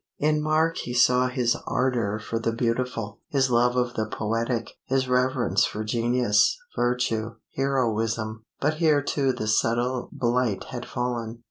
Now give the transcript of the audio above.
In Mark he saw his ardor for the beautiful, his love of the poetic, his reverence for genius, virtue, heroism. But here too the subtle blight had fallen.